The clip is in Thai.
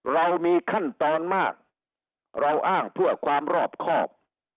เรามีขั้นตอนมากเราอ้างเพื่อความรอบครอบ